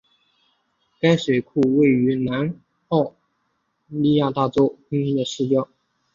该水库位于南澳大利亚州阿德莱德市郊。